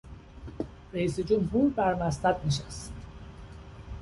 رییس جمهور بر مسند نشست.